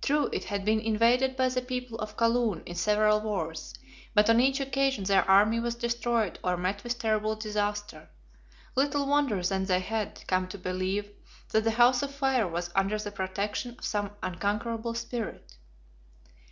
True, it had been invaded by the people of Kaloon in several wars, but on each occasion their army was destroyed or met with terrible disaster. Little wonder then they had come to believe that the House of Fire was under the protection of some unconquerable Spirit.